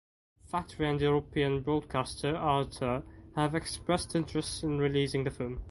Factory and European broadcaster Arte have expressed interest in releasing the film.